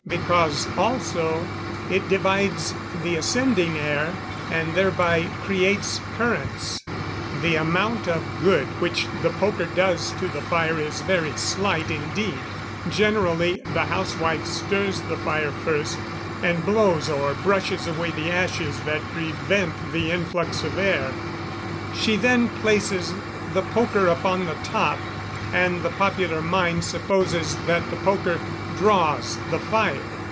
Because, also, it divides the ascending air, and thereby creates currents. The amount of good which the poker does to the fire is very slight indeed. Generally, the housewife stirs the fire first, and blows or brushes away the ashes that prevent the influx of air. She then places the poker upon the top, and the popular mind supposes that the poker "draws" the fire.